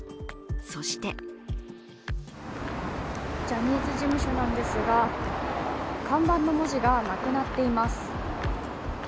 そしてジャニーズ事務所なんですが看板の文字がなくなっています。